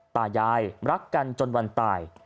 ตายายรักกันจนวันตาย